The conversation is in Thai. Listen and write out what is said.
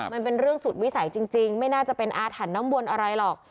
มันเป็นเรื่องสุดวิสัยจริงไม่น่าจะเป็นอาถรรพ์น้ำวนอะไรหรอก